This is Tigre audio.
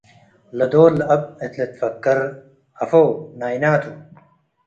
ለዶል ለአብ እት ልትፈከ'ር፤ “አፎ፡ ናይና ቱ፣